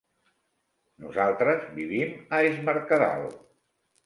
Nosaltres vivim a Es Mercadal.